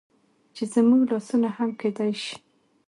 چې زموږ لاسونه هم کيدى شي